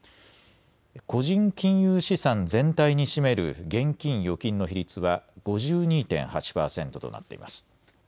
個人金融資産全体に占める現金・預金の比率は５２．８％となっています。